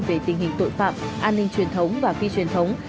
về tình hình tội phạm an ninh truyền thống và phi truyền thống